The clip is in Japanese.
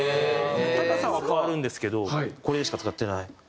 高さは変わるんですけどこれしか使ってない。